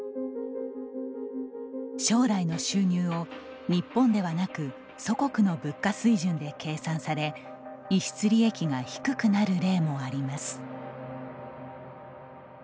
将来の収入を、日本ではなく祖国の物価水準で計算され逸失利益が低くなる例もあります。